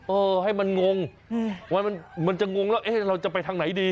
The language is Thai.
เออให้มันงงมันจะงงแล้วเราจะไปทางไหนดี